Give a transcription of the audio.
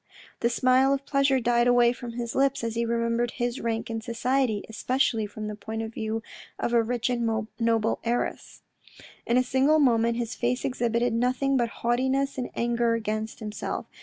The smile of pleasure died away from his lips as he remembered his rank in society, especially from the point of view of a rich and noble heiress. In a single moment his face exhibited nothing but haughtiness and anger against himself.